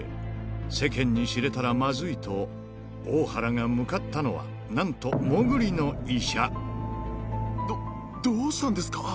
世間に知れたらまずいと、大原が向かったのは、ど、どうしたんですか？